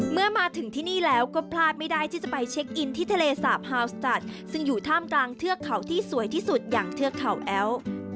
เมื่อมาถึงที่นี่แล้วก็พลาดไม่ได้ที่จะไปเช็คอินที่ทะเลสาบฮาวสจัดซึ่งอยู่ท่ามกลางเทือกเขาที่สวยที่สุดอย่างเทือกเขาแอ้ว